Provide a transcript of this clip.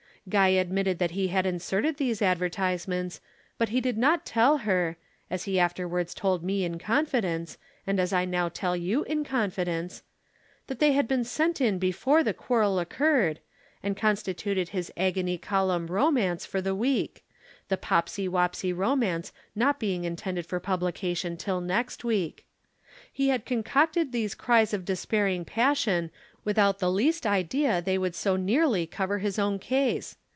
Guy admitted that he had inserted these advertisements, but he did not tell her (as he afterwards told me in confidence, and as I now tell you in confidence) that they had been sent in before the quarrel occurred and constituted his Agony Column romance for the week, the Popsy Wopsy romance not being intended for publication till next week. He had concocted these cries of despairing passion without the least idea they would so nearly cover his own case.